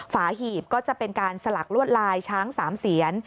ฝีบก็จะเป็นการสลักลวดลายช้าง๓เสียน